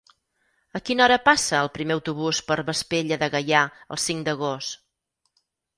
A quina hora passa el primer autobús per Vespella de Gaià el cinc d'agost?